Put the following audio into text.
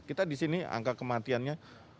kita di sini angka kematiannya